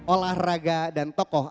olahraga dan tokoh